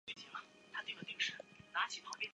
阿芒格。